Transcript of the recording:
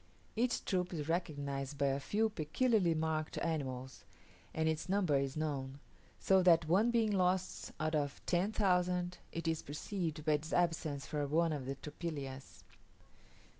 Each troop is recognized by a few peculiarly marked animals, and its number is known: so that, one being lost out of ten thousand, it is perceived by its absence from one of the tropillas.